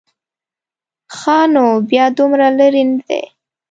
ښه نو بیا دومره لرې نه دی.